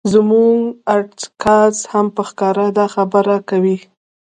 زموږ ارتکاز هم په ښکاره دا خبره کوي.